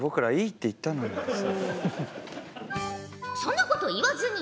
そんなこと言わずに！